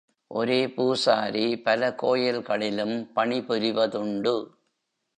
ஒரே பூசாரி பல கோயில்களிலும் பணிபுரிவதுண்டு.